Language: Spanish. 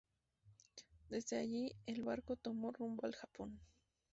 Desde allí el barco tomó rumbo al Japón.